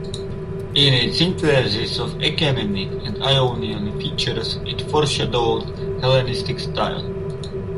In its synthesis of Achaemenid and Ionian features it foreshadowed Hellenistic style.